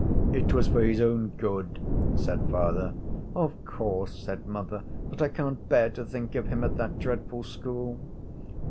'It was for his own good,' said father. 'Of course,' said mother; 'but I can't bear to think of him at that dreadful school.'